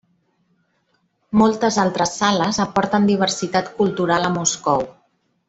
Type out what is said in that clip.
Moltes altres sales aporten diversitat cultural a Moscou.